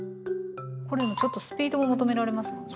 これもちょっとスピードを求められますもんね。